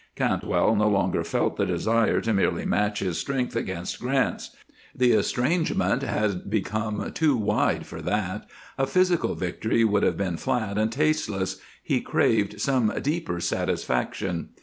Cantwell no longer felt the desire to merely match his strength against Grant's; the estrangement had become too wide for that; a physical victory would have been flat and tasteless; he craved some deeper satisfaction.